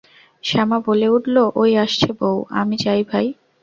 শ্যামা বলে উঠল, ঐ আসছে বউ, আমি যাই ভাই।